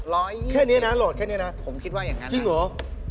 ๑๒๐แล้วแถมนี้นะโหลดแถมนี้นะ